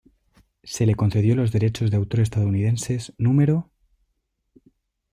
Se le concedió los derechos de autor estadounidenses No.